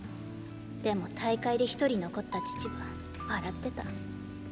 でも大会でひとり残った父は笑ってた。